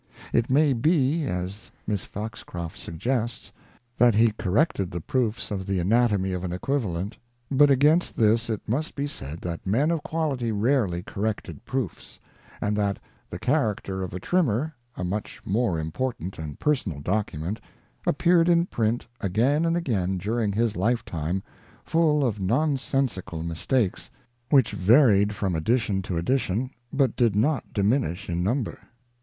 It may be, as Miss Foxcroft suggests, that he corrected the proofs of The Anatomy of an Equivalent, but against this it must be said that men of quality rarely corrected proofs, and that The Character of a Trimmer, a much more important and personal document, appeared in print again and again, during his lifetime, full of nonsensical mistakes, which varied from edition to edition, but did not diminish in number.